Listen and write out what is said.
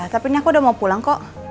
tapi ini aku udah mau pulang kok